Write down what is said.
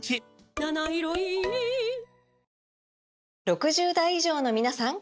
６０代以上のみなさん！